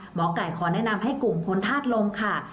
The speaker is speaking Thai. หมอไก่ขอแนะนำให้กลุ่มคนธาตุลมค่ะ